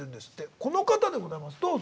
この方でございますどうぞ。